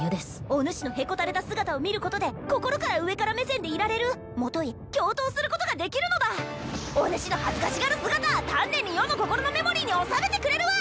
おぬしのヘコたれた姿を見ることで心から上から目線でいられるもとい共闘することができるのだおぬしの恥ずかしがる姿丹念に余の心のメモリーに収めてくれるわ！